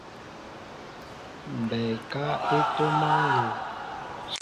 Mɓɛɛ ekáá e ntoma nló.